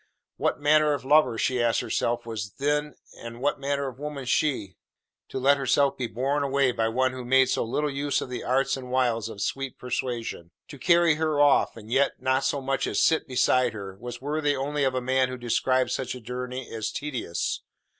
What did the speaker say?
What manner of lover, she asked herself, was thin and what manner of woman she, to let herself be borne away by one who made so little use of the arts and wiles of sweet persuasion? To carry her off, and yet not so much as sit beside her, was worthy only of a man who described such a journey as tedious.